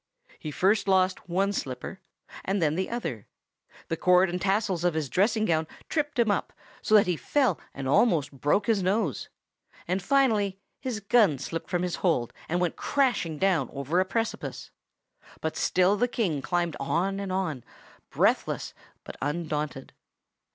He lost first one slipper, and then the other; the cord and tassels of his dressing gown tripped him up, so that he fell and almost broke his nose; and finally his gun slipped from his hold and went crashing down over a precipice; but still the King climbed on and on, breathless but undaunted.